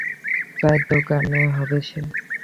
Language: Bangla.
চায়ের দোকানে হবে সে।